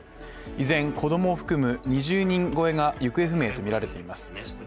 依然、子供を含む２０人超が行方不明とみられています。